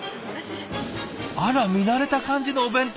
あら見慣れた感じのお弁当。